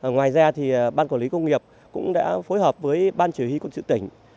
ngoài ra thì ban quản lý công nghiệp cũng đã phối hợp với ban chỉ huy quân sự tỉnh